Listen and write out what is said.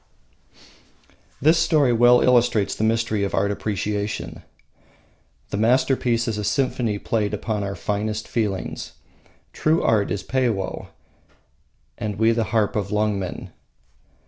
This story well illustrates the mystery of art appreciation. The masterpiece is a symphony played upon our finest feelings. True art is Peiwoh, and we the harp of Lungmen.